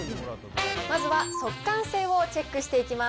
まずは速乾性をチェックしていきます。